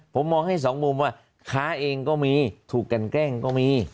ผมมองให้สองมุมว่าค้าเองก็มีถูกกันแกล้งก็มี